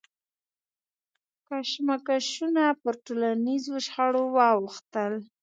کشمکشونه پر ټولنیزو شخړو واوښتل.